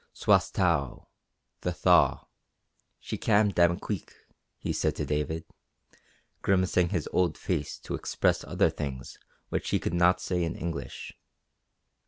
"Swas tao (the thaw) she kam dam' queek," he said to David, grimacing his old face to express other things which he could not say in English.